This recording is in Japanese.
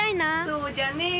そうじゃねえ。